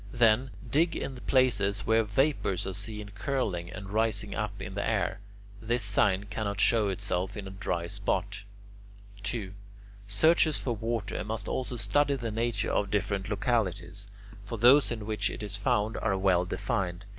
Then, dig in places where vapours are seen curling and rising up into the air. This sign cannot show itself in a dry spot. 2. Searchers for water must also study the nature of different localities; for those in which it is found are well defined.